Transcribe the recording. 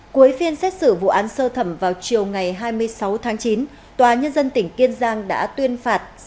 cuối phiên xét xử vụ án sơ thẩm vào chiều ngày hai mươi sáu tháng chín tòa nhân dân tỉnh kiên giang đã tuyên phạt